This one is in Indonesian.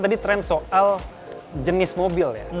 jadi tren soal jenis mobil ya